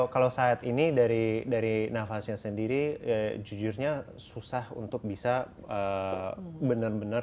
kalau saat ini dari nafasnya sendiri jujurnya susah untuk bisa benar benar